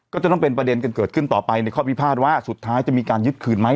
ก็จะต้องเป็นประเด็นกันเกิดขึ้นต่อไปในข้อพิพาทว่าสุดท้ายจะมีการยึดคืนไหม